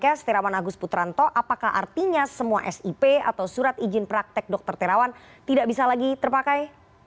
terima kasih terawan agus putranto apakah artinya semua sip atau surat ijin praktek dr terawan tidak bisa lagi terpakai